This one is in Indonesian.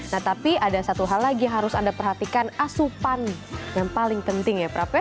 nah tapi ada satu hal lagi yang harus anda perhatikan asupan yang paling penting ya prap